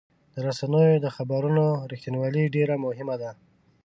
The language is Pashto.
د رسنیو د خبرونو رښتینولي ډېر مهمه ده.